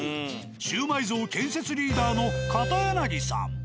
シウマイ像建設リーダーの片柳さん。